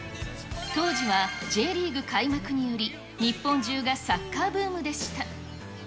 当時はＪリーグ開幕により、日本中がサッカーブームでした。